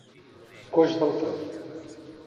Coix del front.